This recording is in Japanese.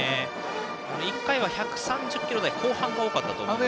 １回は１３０キロ台後半が多かったですが。